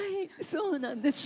そうなんです。